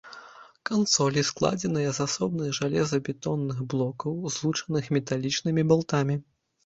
Кансолі складзеныя з асобных жалезабетонных блокаў, злучаных металічнымі балтамі.